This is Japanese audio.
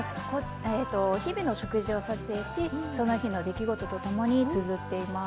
日々の食事を撮影しその日の出来事とともにつづっています。